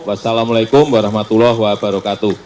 wassalamu'alaikum warahmatullahi wabarakatuh